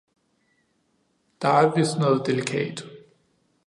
Der er vist noget delikat